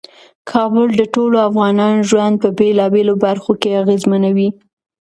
کابل د ټولو افغانانو ژوند په بیلابیلو برخو کې اغیزمنوي.